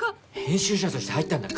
編集者として入ったんだ。